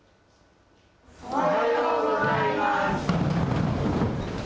おはようございます。